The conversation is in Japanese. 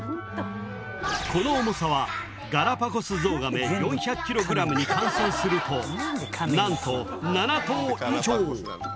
この重さはガラパゴスゾウガメ４００ｋｇに換算するとなんと７頭以上。